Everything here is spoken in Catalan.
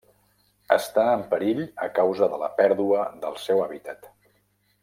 Està en perill a causa de la pèrdua del seu hàbitat.